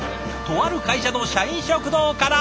とある会社の社員食堂から。